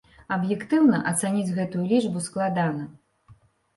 Аб'ектыўна ацаніць гэтую лічбу складана.